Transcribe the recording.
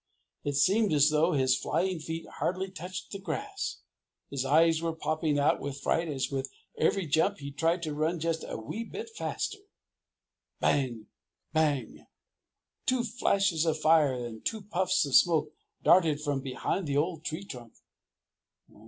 It seemed as though his flying feet hardly touched the grass. His eyes were popping out with fright as with every jump he tried to run just a wee bit faster. Bang! Bang! Two flashes of fire and two puffs of smoke darted from behind the old tree trunk.